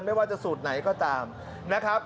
ไม่ว่าจะสูตรไหนก็ตามนะครับ